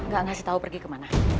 gak ngasih tahu pergi kemana